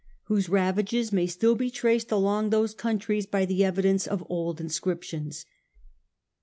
IX whose ravages may still be traced along those countries by the evidence of old inscriptions.